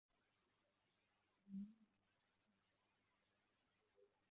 Umukobwa muto arimo gukina nifu